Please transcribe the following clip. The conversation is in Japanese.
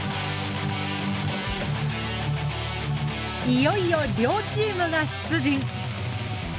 いよいよ両チームが出陣。